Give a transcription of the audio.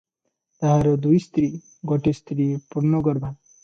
ତାହାର ଦୁଇ ସ୍ତ୍ରୀ, ଗୋଟିଏ ସ୍ତ୍ରୀ ପୂର୍ଣ୍ଣଗର୍ଭା ।